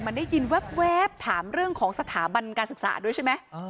มันได้ยินแว๊บถามเรื่องของสถาบันการศึกษาด้วยใช่ไหม